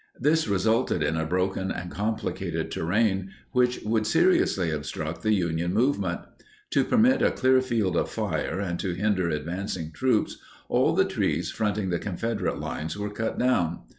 This resulted in a broken and complicated terrain which would seriously obstruct the Union movement. To permit a clear field of fire and to hinder advancing troops, all the trees fronting the Confederate line were cut down.